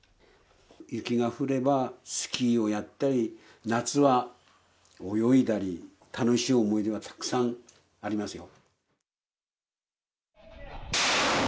雪が降ればスキーをやったり、夏は泳いだり、楽しい思い出がたくさんありますよ。